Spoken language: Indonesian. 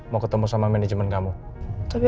mau ketemu sama manajemen kamu